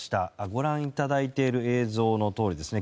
ご覧いただいている映像のとおりですね。